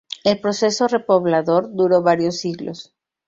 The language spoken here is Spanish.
El proceso repoblador duró varios siglos.